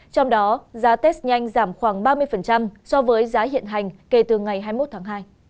trong đó giá test nhanh giảm khoảng ba mươi so với giá hiện hành kể từ ngày hai mươi một tháng hai